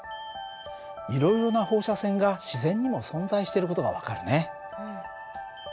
いろいろな放射線が自然にも存在している事が分かるね。